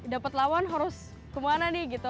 dapat lawan harus kemana nih gitu